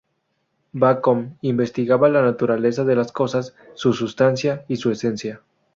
Bacon investigaba la naturaleza de las cosas, su sustancia y su esencia.